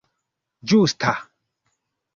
ĝusta